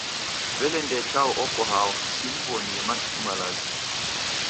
Wele Ndee Chao oko hao? Simw'onie matuku malazi.